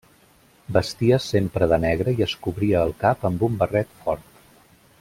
Vestia sempre de negre i es cobria el cap amb un barret fort.